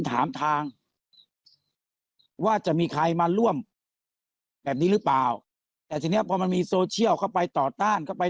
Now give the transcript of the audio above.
ถามทางว่าจะมีใครมาร่วมันดีหรือเปล่าแต่เพราะมันมีโซเชี่ยลก็ไปต่อถ้านก็ไป